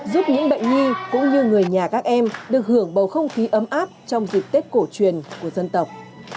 giúp những bệnh nhi cũng như người nhà các em được hưởng bầu không khí ấm áp trong dịp tết cổ truyền của dân tộc